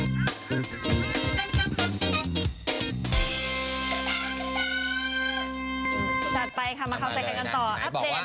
จัดไปค่ะมาเข้าใจกันกันต่อ